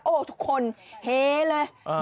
โอ้โหทุกคนเฮเลย